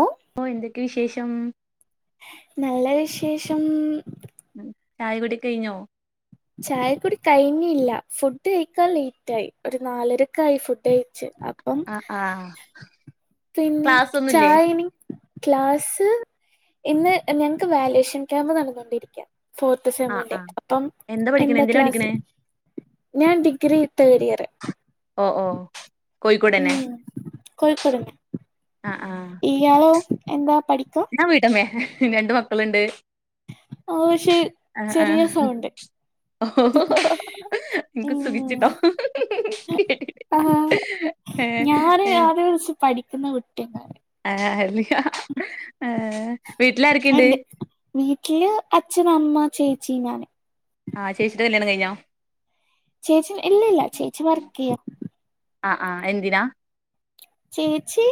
ഓഹ് ഓഹ് എന്തൊക്കെ വിശേഷം നല്ല വിശേഷം‌ ചായ കുടി ക്കഴ്ഞ്ഞൊ ചായക്കുടി കഴിഞ്ഞില്ലാ ഫുഡ്ഡ് കയിക്കാൻ ലേറ്റ് ആയി ഒരു നാലരക്കായ് ഫുഡ്ഡ്കഴ്ച്ച് അം പ്പം ആഹ് ആഹ് പിന്നെ ക്ലാസ് ഒന്നുല്ലേ ചായനിം ക്ലാസ്സ് ഇന്ന് ഞങ്ങക്ക് വാല്യേഷൻ ക്യാമ്പ് നടന്നോണ്ടിരിക്ക്യ ഫോർ ആഹ് ഡിസമിൻ്റെ ആഹ് അപ്പം പഠിക്കണേ എന്താ എന്തിനാ പഠിക്കണേ ക്ലാസ്സില് ഞാൻ ഡിഗ്രി തേഡിയറ് ഓഹ് ഓഹ് കോയിക്കോടെന്നെ ഉം കോഴിക്കോട്ന്നെ ആഹ് ആഹ് ഇയാളോ എന്താ പഠിക്കാ ഞാൻ വീട്ടമ്മയാ രണ്ട് മക്കള്ണ്ട് ആഹ് പക്ഷെ ചെറിയ സൗണ്ട് ഓഹൊ ഹോ ഉം ഇൻക്ക്സുഖിച്ച്ട്ടാ ആഹ് ഞാന് ആദിയോം വെച്ച് പഠിക്കുന്ന കുട്ടിയെന്നാ ആഹ് അല്ലാ ഏഹ് വീട്ടിലാരെക്കെയിണ്ട് വീട്ടില് അച്ഛനമ്മ ചേച്ചി ഞാന് ആഹ് ചേച്ചിടെ കല്യാണം കഴിഞ്ഞോ ചേച്ചി ഇല്ലില്ലാ ചേച്ചി വർക്കിയ്യാ ആഹ് ആഹ് എന്തിനാ ചേച്ചി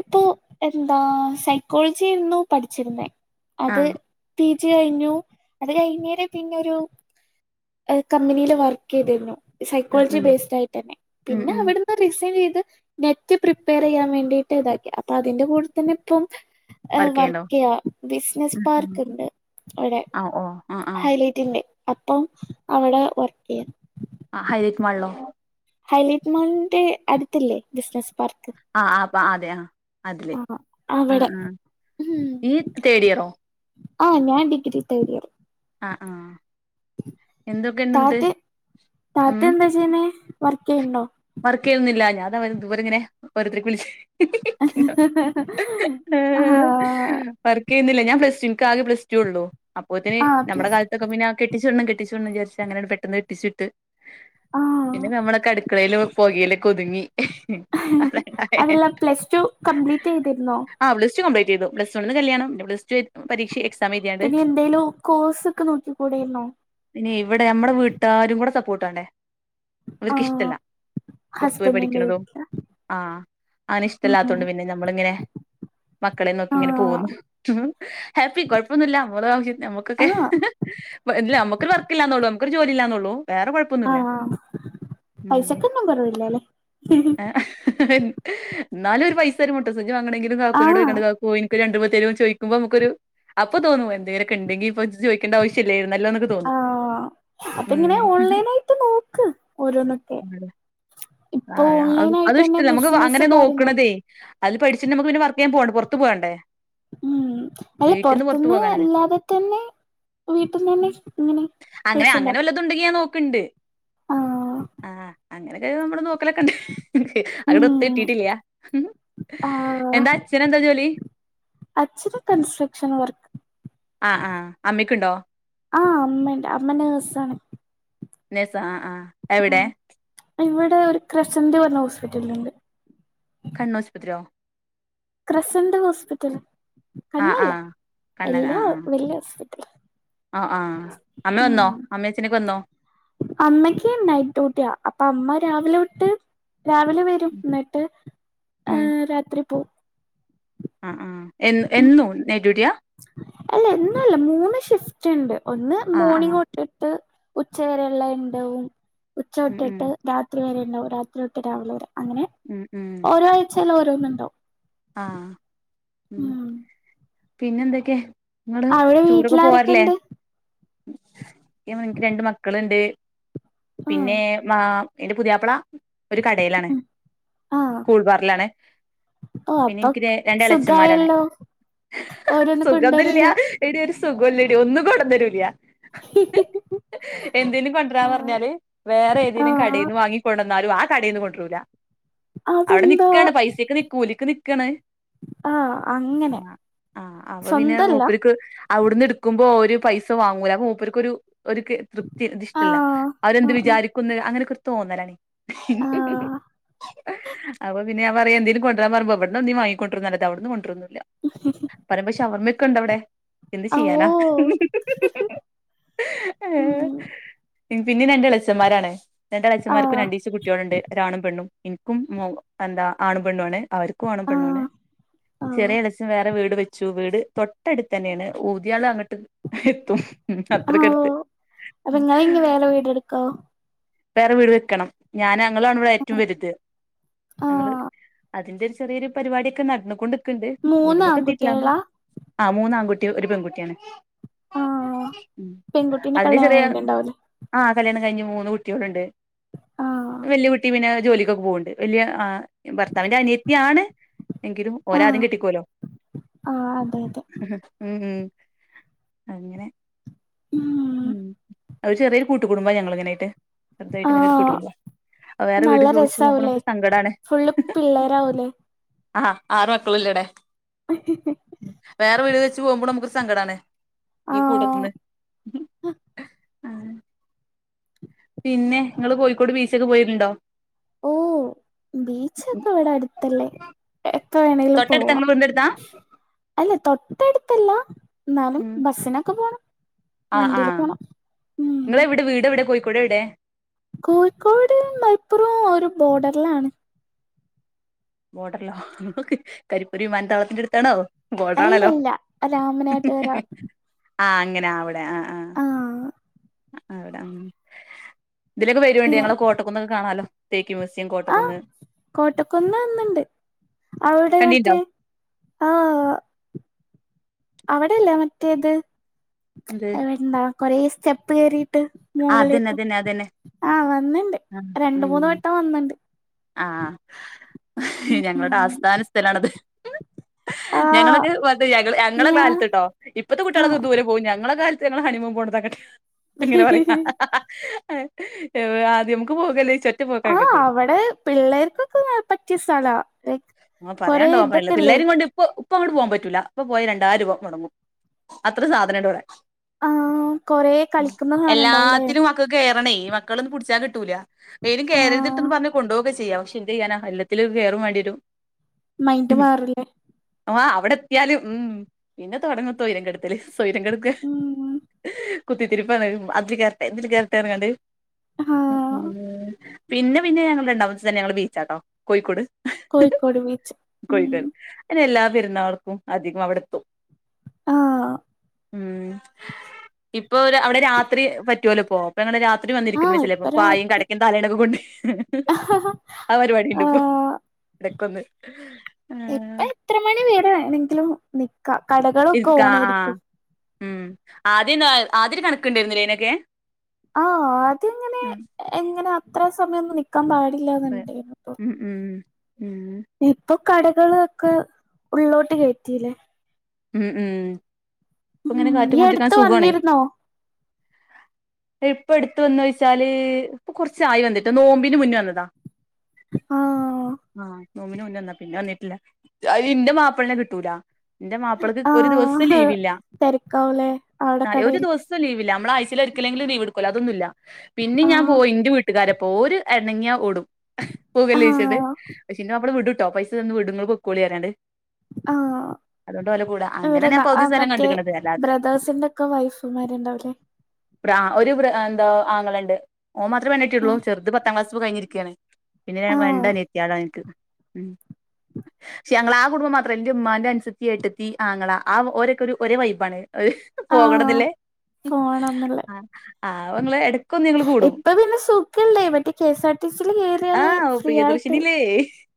ഇപ്പൊ എന്താ സൈക്കോളജി ആയിരുന്നു പഠിച്ചിരുന്നേ അത് ആഹ് പി ജി കഴിഞ്ഞു അത് കഴിഞ്ഞേരെ പിന്നൊരു ഇഹ് കമ്പനില് വർക്കെയ്തീന്നു ആഹ് സൈക്കോളജി ആഹ് ബേസ്ഡായിട്ടന്നെ ഉം പിന്നെ ഉം അവിടുന്ന് റിസൈൻ ചെയ്ത് ത്ത് പ്രിപ്പെയർ ചെയ്യാൻ വേണ്ടീട്ട് ഇതാക്കി അപ്പൊ അതിന്റെ കൂടെ തന്നെ ഇപ്പം ആഹ് വർക്ക് ചെയ്യ്ണ്ടോ വർക്കെയ്യാ ബിസ്നസ് ഉം ഉം പാർക്ക് ഇണ്ട് അവിടെ ആഹ് ഓ ആഹ് ഹൈലൈ റ്റ്ല് അപ്പം അവടെ വർക്കെയ്യാ ആഹ് ഹൈലൈറ്റ് മാളിലോ ഹൈലൈറ്റ് മാളിൻ്റെ അടുത്തില്ലേ ബിസ്നസ്സ് പാർക്ക് ആഹ് ആഹ് അപ്പ അതേ ആഹ് അതില് ആഹ് ഉം അവിടെ ഉം ഉം യ്യ് തേടിയറോ ആഹ് ഞാൻ ഡിഗ്രി തേർഡ് ഇയറ് ആഹ് ആഹ് എന്തൊക്കെണ്ട്ന്ന്ട്ട് ഉം ന്താ യ്യ്ണ് വർക്കിയിണ്ടോ വർക്കെയ്യുന്നില്ല ഞാന് ദാ ഇതുപോലിങ്ങനെ ഓരോരുത്തർക്ക് വിളിച്ച് ആഹ് വർക്കെയ്യുന്നില്ല ഞാൻ പ്ലസ്ടു ഇൻക്കാകെ പ്ലസ്ടു ഒള്ളൂ അപ്പോത്തിന് ആഹ് നമ്മടെ പ്ലസ് കാലത്ത ത്തൊക്കെ പിന്നെ കെട്ടിച്ചുവിടണം കെട്ടിച്ചു വിടണം വിചാരിച്ച് അങ്ങനെങ്ങണ്ട് പെട്ടെന്ന് കെട്ടിച്ച് വിട്ട് ആഹ് പിന്നെ നമ്മളൊക്കെ അടുക്ക അടുക്കളേല് പൊകയില് ഒക്കെ ഒതുങ്ങി അതാണ്ടായെ അതല്ല പ്ലസ്ടു കംപ്ലീറ്റ് എയ്തിരുന്നോ ആഹ് പ്ലസ്ടു കംപ്ലീറ്റെയ്തു പ്ലസ് വണ്ണീന്ന് കല്ല്യാണം പിന്നെ പ്ലസ്ടു പരീക്ഷ എക്സ് പിന്നെ എന്തേലും കോഴ്സ് ഒക്കെ നോക്കി കൂടായ്ർന്നോ പിന്നെ ഇവിടെ നമ്മടെ വീട്ടാരും കൂടെ സപ്പോർട്ട് വാണ്ടേ ആഹ് ഇവർക്കിഷ്ടല്ല പുറത്തുപോയി ഹസ്ബൻഡിന്റെ പഠിക്കണതും വീട്ടില് ആഹ് അങ്ങനെ ഉം ഇഷ്ടല്ലാത്തോണ്ട് പിന്നെ നമ്മളിങ്ങനെ മക്കളേം നോക്കി ഇങ്ങനെ ആഹ് പോവുന്നു ഹാപ്പി കൊഴപ്പൊന്നുല്ല ഞമ്മള് [unintelligible] നമ്മക്ക് ക്കൊക്കെ ആഹ് ഇല്ല അമ്മക്ക് ഒരു വർക്ക് ഇല്ലാന്നുള്ളൂ നമ്മക്ക് ഒരു ജോലി ഇല്ലാന്നുള്ളൂ വേറെ കൊഴപ്പ പ്പൊന്നുല്ല ഉം [unintelligible] ന്നും കൊറവില്ല ല്ലെ ന്നാലും ഒരു പൈസ ഒരു മുട്ടു സൂചി വാങ്ങണേങ്കിലും കാക്കൂനോട് ആഹ് ചോയ്ക്കണ്ടേ കാക്കു എനി ക്കൊരു രണ്ട് രൂപ തെരോ ചോയ്ക്കുമ്പമ്മക്കൊരു അപ്പൊ തോന്നും എന്തെങ്കിലൊക്കെ ഇണ്ടെങ്കിൽ ഇപ്പൊ ഇത് ചോയ്ക്കേ ക്കേണ്ട ആവശ്യലേർന്നല്ലോ ഒക്കെ തോന്നും ഉം അപ്പങ്ങനെ ഓൺലൈനായിട്ട് നോക്ക് ഓരോന്നൊക്കെ ഇപ്പൊ ആഹ് ആഹ് അതും ഓൺലൈനായിട്ടെന്നെ ഇഷ്ടല്ല നമുക്ക് ബിസിനസ്സ് അങ്ങനെ കാര്യങ്ങള് നോക്ക്ണതേയ് അല് പഠിച്ച നമ്മക്ക് പിന്നെ വർക്കെയ്യാൻ പോണ്ടേ പൊറത്ത് പോവണ്ടേ ഉം അല്ല പൊറത്തൂന്ന് പോകാനാണ് അല്ലാതെ തന്നെ വീട്ടീന്നന്നെ ഇങ്ങനെ പൈസണ്ടാക്ക തു ണ്ടെങ്കി ഞാൻ നോക്ക്ണ്ട് ആഹ് അങ്ങനൊക്കെ നമ്മള് നോക്കലൊക്കെ ഇണ്ട്. ഉം അങ്ങടൊത്ത് കിട്ടീട്ടില്ല ആഹ് എന്താ അച്ഛനെന്താ ജോലി അച്ഛന് കൺസ്ട്രക്ഷൻ വർക്ക് ആഹ് ആഹ് അമ്മയ്ക്കുണ്ടോ ആഹ് അമ്മണ്ട് അമ്മ നേഴ്സാണ് നേഴ്സാ ആഹ് ആഹ് എവ്ടെ ഇവടെ ഒരു ക്രസൻ്റ് പറഞ്ഞ ഹോസ്പിറ്റലിണ്ട് കണ്ണോസ്പത്രിയോ ക്രസന്റ് ഹോസ്പിറ്റൽ ആഹ് കണ്ണല്ല ആഹ് കണ്ണൻ എല്ലാ ആഹ് ആഹ് വല്യ ഹോസ്പിറ്റ ആഹ് ആഹ് അമ്മ വന്നോ അമ്മേം അച്ഛനൊക്കെ വന്നോ അമ്മക്ക് നൈറ്റ് ഡ്യൂട്ടിയാ അപ്പൊ അമ്മ രാവിലെ തൊട്ട് രാവിലെ വരും എന്നിട്ട് ഉം ഏഹ് രാത്രി പോവും ആഹ് ആഹ് എ ഉം എന്നും നൈറ്റ് ഡ്യൂട്ടിയാ അല്ല എന്നുല്ല മൂന്ന് ഷിഫ്റ്റ് ണ്ട് ഒന്ന് ആഹ് മോണിംഗ് ആഹ് തൊ ട്ടിട്ട് ഉച്ചവരെള്ളെ ഇണ്ടാവും ഉം ഉം ഉച്ചതൊട്ടിട്ട് രാത്രി വരെ ഇണ്ടാവും രാത്രി തൊട്ട് രാവിലെ വരെ അങ്ങനെ ഉം ഉം ഓരോ ആഴ്ചേലും ഓരോന്ന് ഇണ്ടാവും ആഹ് ഉം പിന്നെ എന്തൊക്കെ ഇങ്ങള് അവിടെ ടൂറൊക്കെ വീട്ടിലാരൊക്കെ പോവാറില്ലേ ഉണ്ട് തേമാരി എനിക്ക് രണ്ട് മക്കള്ണ്ട് ആഹ് പിന്നേ മാ എന്റെ പുതിയാപ്പള ഒരു കടേലാണ് ഉം ആഹ് കൂൾബാറിലാണ് ഓ പിന്നെ അപ്പൊ എനിക്ക് രണ്ടേളച്ച്ഛൻമാരാണ് സുഖായല്ലോ ഓരോന്ന് സുഖൊന്നുല്ല കൊണ്ടുവരല്ലോ എടീ ഒരു സുഖോലടി ഒന്നും കൊടന്നേരൂല എന്തേലും കൊണ്ടരാൻ ആഹ് പറഞ്ഞാല് വേറെ ഏതേലും ആഹ് കടേന്ന് വാങ്ങി കൊടന്നാലും ആ കടേന്ന് കൊണ്ടരൂല അവിടെ അതെന്തോ നിക്കാണ് പൈസക്ക് നി കൂലിക്ക് നിക്കാണ് ആഹ് അങ്ങനെ ആഹ് ആഹ് അപ്പ പിന്നെ സ്വന്തല്ല മുപ്പര്ക്ക് അവിടുന്ന് ട്ക്കുമ്പോ ഓര് പൈസ വാങ്ങൂല അപ്പ മൂപ്പർക്കൊരു ഒരുക്ക് തൃപ്തി ഇത് ആ ഇഷ്ടല്ല ആ അവരെന്ത് വിചാരിക്കുന്ന് അങ്ങനെ കൊര് തോന്നലാണേ ആ അപ്പൊ പിന്നെ ഞാ പറയാ എന്തേലും കൊ ണ്ട രാ പറിമ്പം ഇവട് ന്ന് ഒട്ന്നേ വാങ്ങിക്കൊണ്ടരുന്നല്ലാതെ അവിടുന്ന് കൊണ്ട രൊന്നുല്ല പറി പ്പം ഷവർമ്മക്കെ ഇണ്ട് അവിടെ എന്ത് ആ ഓ ചെയ്യാനാ ഉം പിൻ പിന്നെ രണ്ട്ളച്ചന്മാരാണ് രണ്ട ആ എളച്ചമാർക്കും രണ്ടീച്ച കുട്ടിയോള്ണ്ട് ഒരാണും പെണ്ണും ഇൻക്കും മു എന്താ ആണും പെണ്ണു ആണ് അവര്ക്കും ആണും ആ പെണ്ണും ആണ് ആ ചെറിയ എളച്ചം വേറെ വീട് വെ ച്ചു വീട് തൊട്ടടുത്ത് തന്നെയാണ് ഊതിയാള അങ്ങട്ട്എത്തും ളം ആ ഓ അത്രക്കടുത്ത് അപ്പൊ ഇങ്ങള് ഇനി വേറെ വീടെടുക്കോ വേറെ വീട് വെക്കണം ഞാൻ ഞങ്ങളാണ് ഇവിടെ ഏറ്റവും വരുത് ആ ഞങ്ങള് അതിന്റെ ഒരു ചെറിയൊരു പരിപാടിയൊക്കെ നടന്നുകൊണ്ട്ക്ക്ണ്ട് വീട് മൂന്ന് മക്ക് എത്തീട്ടില്ലാന്ന ആൺകുട്ടികളാ ആഹ് മൂന്ന ആൺകുട്ടി ഒരു പെൺകുട്ടിയാണ് ആ ഉം പെൺകുട്ടീന്റെ അതിന് കല്യാണം ചെറിയ കഴിഞ്ഞിണ്ടാവൂലേ ആഹ് കല്ല്യാണം കഴിഞ്ഞ് മൂന്ന് കുട്ടിയോളുണ്ട് ആ വല്ല്യയ കുട്ടി പിന്നെ ജോലിക്കൊക്കെ പോവ്ണ്ട് വല്ല്യയ ആ ഭർത്താവിന്റെ അനിയത്തിയാണ് എങ്കിലും ആ ഒരാദ്യം കെട്ടിക്കോലോ ആ അതെ അതെ ഉം ഉം അങ്ങനെ ഉം അഹ് ചെറിയൊരു കൂട്ടു കുടുമ്പാ ഞങ്ങൾങ്ങനായിട്ട് ചെറുതായിട്ട് ആ ഇങ്ങനെരു കൂട്ട് കുടുമ്പാ വേറെ വീട് നല്ല ചോദിച്ചു പോകുമ്പം രസാവൂലേ നമ്മുക്ക് സങ്കടാണ് ഫുള്ള് പിള്ളേരാവൂലേ ആഹ് ആറ് മക്കളും ഇല്ലടെ [unintelligible] വേറെ വീട് വെച്ച് പോകുമ്പോ നമുക്കൊരു സങ്കടാണ് ആ ഈ കൂട്ടത്തിന്ന് ആഹ് പിന്നെ ഇങ്ങള് കോഴിക്കോട് ബീച്ച ഒക്കെ പോയ ര്ല് ണ്ടോ ഓ ബീച്ചൊക്കെ ഇവിടെ അടുത്തല്ലേ എപ്പ വേണമെങ്കിലും തൊട്ടടുത്താ പോവാ ഇങ്ങളെ വീടിന്റെ അടുത്താ അല്ല തൊട്ടടുത്തല്ല ന്നാലും ബസ്സിനൊക്കെ പോണം ആഹ് വണ്ടിയില് ആഹ് പോണം ഉം നിങ്ങളെവിടെ വീട് എവിടെ കോഴിക്കോട് എവിടെ കോഴിക്കോട് മലപ്പുറം ഒരു ബോർഡറിലാണ് ബോർഡറിലോ നോക്ക് കരിപ്പുരി വി മാനത്താവളത്തിന്റെ അടുത്താണോ ഗോൾഡാണല്ലോ അല്ലല്ല രാമനാട്ടുകര ആഹ് അങ്ങനെ ആവിടെ ആഹ് ആഹ് അവിട ആഹ് ഇതിലൊക്കെ വരുണ്ട യാ ഞങ്ങള് കോട്ടക്കന്നൊക്കെ കാണാലോ തേക്ക് മ്യൂസിയം കോ ആഹ് കോട്ടക്കുന്ന് വന്നണ്ട് അവിടെ കണ്ടീണ്ടോ മറ്റേ ആഹ് അവിടെയല്ല മറ്റേത് ഇത് എവിടെന്താ കൊറേ സ്റ്റെപ്പ് കേറിട്ട് ആഹ് അതന്നെ മുകളിലേത്തും അതന്നെ അതന്നെ ആ്ഹ് വന്നിണ്ട് ആ രണ്ട് ഉം മൂന്ന് വട്ടം വന്നിണ്ട് ആഹ് ഉം ഞങ്ങളുടെ ആസ്ഥാന സ്ഥലണത് ആഹ് ഞങ്ങളത് വന്നു ഞങ്ങള ഞങ്ങളെ ഞാ കാലത്ത്ട്ടോ ഇപ്പത്തെ കുട്ടികളൊക്കെ ദൂര പോയ് ഞങ്ങളക്കെ കാലത്ത് ഞങ്ങള് ഹണിമൂൺ പോണ്ടതാക്കക്കട്ടെ അങ്ങനെ പറയും ആഹ് [unintelligible] ആദ്യം നമുക്ക് പോകലേ ച ആഹ് അവിടെ പിള്ളേർക്കൊക്കെ പറ്റിയ സ്ഥലാ ലൈക് അഹ് കൊറേ പറയാണ്ടോപ്പല്ല ഇതൊക്കെല്ലേ പിള്ളേരും കൊണ്ട് ഇപ്പൊ അപ്പൊ അങ്ങോട്ട പോവാൻ പറ്റൂല ഇപ്പൊ പോയ രണ്ടായിരം രൂപ മുടങ്ങും അത്ര സാധനംണ്ട് അവിടെ ആ കൊറേ കളിക്കുന്ന സാധനം ഉണ്ടാവൂലേ എല്ലാത്തിനും [unintelligible] കേറണേ മക്കളൊന്നും പിടിച്ചാ കിട്ടൂല എലും ആ കേയറിതിട്ടെന്ന് പറഞ് കൊണ്ടുപോ ചെയ്യാം പക്ഷെ എന്ത് ചെയ്യാ എല്ലാത്തിൽ കയറ വേണ്ട വട്ടും മൈന്റ് മാറില്ലേ ആഹ് അവിടെ എത്തിയാലും ഉം പിന്നെ തുടങ്ങും ത്തോയിരം ങ്കെടുതല്. സ്വരും കെടുക്ക ഉം കുത്തിത്തിരിപ്പാണ് അതില് കേറട്ട എന്തില് കേരട്ടറങ്ങണ്ട് ആ ഉം പിന്നെ പിന്നെ ഞങ്ങള് രണ്ടാമത്തെദവസം തന്നെ ഞങ്ങള് ബീച്ചാട്ടോ കോഴിക്കോട്. കോഴിക്കോട് ബീച്ച് ഉം കൊയ്ത എല്ലാ പരുന്നാർക്കും അധികം അവിടെത്തും. ആഹ് ഉം ഇപ്പൊ ഒരു അവിടെ രാത്രി പറ്റുവലോ പോ അപ്പങ്ങെ രാത്രി ആ വന്നിരിക്കുന്ന ചിലപ്പം ഇപ്പൊ പായും രാത്രി കടക്കിയും തലേനൊക്കെ കൊണ്ട് [unintelligible] ആഹ് പരിപാടി ആ ഉണ്ട് ഇപ്പോ എടക്കൊന്ന്. ഇപ്പൊ എത്ര മണി വേരെ വെനെങ്കിലും നിക്കാം കടകളൊക്കെ ഇരിക്ക ആഹ് ഓണയിരിക്കും. ഉം ആദ്യ എന്താ ആദ്യര് കണക്ക്ണ്ടായിരുന്നില്ലേ അനൊക്കെ ആഹ് അദ്യങ്ങനെ എങ്ങനെ അത്ര സമയംഒന്നും നിക്കാൻ പാടില്ല അതെ ന്നുണ്ട്. ഉം ഉം ഇപ്പൊ കടകളൊക്കെ ഉള്ളോട്ട് കയറ്റില്ലേ ഉം ഉം ഇപ്പ ഉം ഇങ്ങനെ കാറ്റും ഈ കൊണ്ടിരിക്കാൻ എടുത്ത് സുഖാണേ വന്നിരുന്നോ ഇപ്പ എടുത്ത വന്ന ചോച്ചാല് ഇപ്പൊ കുറച്ച ആയി വന്നിട്ട് നോമ്പിന് മുന്നേ വന്നതാ ആഹ് ആഹ് നോബിന് മുന്ന വന്നാത പിന്നെ വന്നിട്ടില്ല അയിന് അന്റെ മാപ്പിളിനെ കിട്ടൂല എന്റെ മപ്ളക്ൺ ഒരു ദിവസം ആഹ് ലീവില്ല തെരക്കാവൂലേ അവിടെ ആഹ് ഒരു കടയിൽ ദിവസ സം ലീവില്ല നമ്മള ആഴ്ചൽ ഒരിക്കലെങ്കും ലീവ് എടുക്കല്ല അതൊന്നുമല്ല പിന്ന ഞാൻ ആഹ് പോയി ഇൻന്റെ വീട്ടുകാരപ്പോ ഒര്. എണങ്ങിയഓടും പൂവല്ലോ ചോയിച്ചിട് ആഹ് പക്ഷേ എന്റെ മാപ്പിള വിടുട്ടോ പൈസ തന്നന്ന് വിടും നിങ്ങൾ പൊക്കോളി പറാഞിങട് ആഹ് അങ്ങനെ ഇടെ ഞാൻ പകുതി സ്ഥലം മറ്റേ കണ്ട്ക്ക്ണത് അല്ലാതെ ബ്രദേഴ്സിന്റെ ഒക്കെ വൈഫ്മാരുണ്ടാവല്ലേ ഒരു എന്താ ആങ്ങള ഉണ്ട് ഓ മാത്രേ പോണ്കോടോ ഉള്ളൂ ആഹ് ചെറുത് പത്താം ക്ലാസ് കഴിഞ്ഞിരിക്കുകയാണ്. പിന്നെ രണ്ട് ആഹ് അനിഎത്തിള് എനിക്ക്. ഉം പക്ഷെ ഞങ്ങ ആഹ് കുടുംബം മാത്രം എന്റെ ഉമ്മാന്റെ അനുസൃത്തി എടതി തീ ആഹ് ആങ്ങള ഓരൊക്കെ ഒരേ വൈബാണ്. ആഹ് പോകണന്നല്ലേ പോണംന്നുള്ള ആവങ്ങള് എ ഇപ്പ പിന്നെ സുഖല്ലേ മറ്റേ കെഎസ് ആർടിസിൽ കയറിയാല് ആഹ് ഫ്രീ ആയിട്ട്. [unintelligible]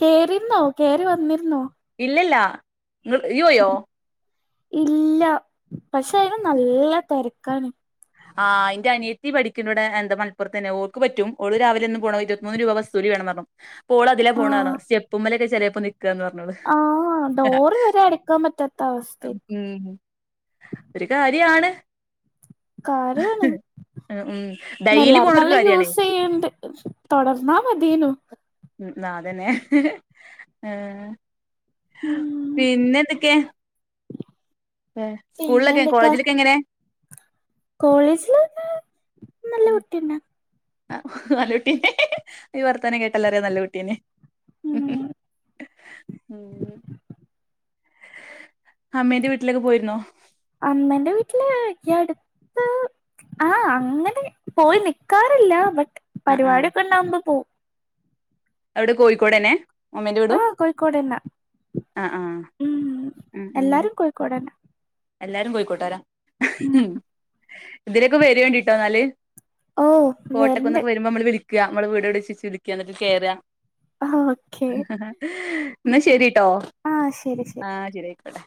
കേയറിരുന്നോ കേയറി വന്നിരുന്നോ ഇല്ലല്ല [unintelligible] ഇല്ല പക്ഷെ അയില് നല്ല തിരക്കാണ്. ആഹ് എന്റെ അനിയത്തി പഠിക്ക്ട് മലപുറത്തന്നെ ഓൾക്ക് പറ്റും ഒള് രാവിലെന്ന് പോണം ഇരുപത്തിമൂന്ന് രൂപ വസുലി വേണം പറഞ്ഞു. ഓള് അതിലന്ന് പോണ് ആഹ് പറഞ്ഞു സ്റ്റെപ്പ് മേലൊക്കെ ചിലപ്പോ നി ഒക്കാന്ന് [unintelligible] ആഹ് ഡോറ് വരെ അടുക്കാൻ പറ്റാത്ത അവസ്ഥ ഉം ഒരു കാര്യാണ് കാര്യാണ് ഉം ഡെയ്ലി എല്ലാരും പോണൊരു നല്ല കാര്യാണേ യൂസ് ചെയ്യണ്ട് തൊടർന്നാ മതീനു ഉം നാതന്നെ ഏഹ് ഉം പിന്നെ എന്തൊക്കെ പിന്നെ സ്കൂളിലൊക്കെ കോളേജിലൊക്കെ എങ്ങനെ കോളേജില് നല്ല കുട്ട്യാനാ ആഹ് നല്ല കുട്ടീ ഈ വർത്തനം കേട്ടല്ല അറിയ നല്ല കുട്ടീനാ ഉം ഉം അമ്മേന്റെ വീട്ടിലേക്ക് പോയിരുന്നോ അമ്മന്റെ വീട്ടില് ഈ അടുത്ത് ആഹ് അങ്ങനെ പോയി നിക്കാറില്ല ബട്ട് ആഹ് ആഹ് പരിപാടിക്കൊക്കെ ഉണ്ടാവുമ്പോ പോകും. എവുടെ കോയ്ക്കോടെന്നെ അമ്മേന്റെ വീടും കോയ്ക്കോടെന്നെ ആഹ് ആഹ് ഉം ഉം ഉം എല്ലാരും കോയ്ക്കോടെന്നെ. എല്ലാരും കോയ്ക്കോട്ടരാ ഇതിലൊക്കെ വെരോണ്ടിട്ടോന്നാല്. ഓ വരണ്ട് കോട്ടക്കന്നൊക്കെ വെരുമ്പോ മ്മളെ വിളിക്ക മ്മളെ വീട് എവിടെച്ച് വിളിക്കന്നട്ട് കേറ. ഓക്കെ ന്നാ ശെരിട്ടോ ആഹ് ശരി ശരി ആഹ് ശെരി ആയ്ക്കോട്ടേ.